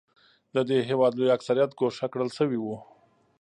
د دې هېواد لوی اکثریت ګوښه کړل شوی و.